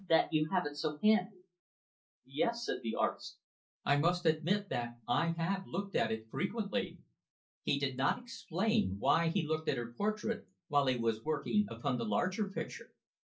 that you have it so handy?" "Yes," said the artist, "I must admit that I have looked at it frequently." He did not explain why he looked at her portrait while he was working upon the larger picture.